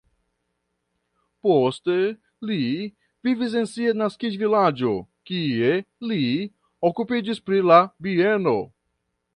Poste li vivis en sia naskiĝvilaĝo, kie li okupiĝis pri la bieno.